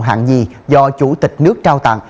hạng dì do chủ tịch nước trao tặng